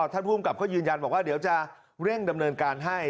ท่านผู้กำกับก็ยืนยันว่าเดี๋ยวจะเร่งดำเนินการให้